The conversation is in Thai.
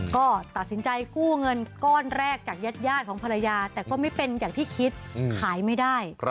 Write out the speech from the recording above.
ก็ตัดสินใจกู้เงินก้อนแรกจากญาติของภรรยาแต่ก็ไม่เป็นอย่างที่คิดขายไม่ได้